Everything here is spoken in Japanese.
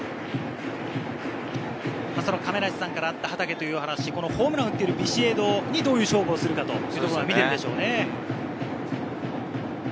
亀梨さんからあった、畠という話、ホームランを打ったビシエドにどういう勝負をするかというのを見ているでしょうね。